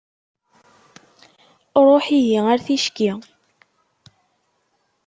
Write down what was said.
Ruḥ ihi ar-ticki.